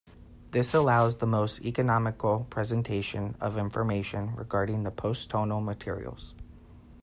This allows the most economical presentation of information regarding post-tonal materials.